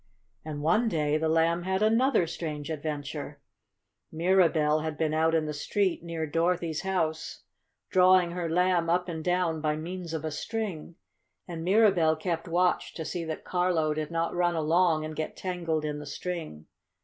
And one day the Lamb had another strange adventure. Mirabell had been out in the street near Dorothy's house drawing her Lamb up and down by means of a string. And Mirabell kept watch to see that Carlo did not run along and get tangled in the string.